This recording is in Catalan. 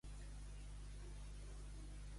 El cop de la paella, si no fereix, emmascara.